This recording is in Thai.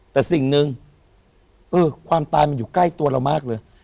แต่สิ่งหนึ่งเออความตายมันอยู่ใกล้ตัวเรามากเลย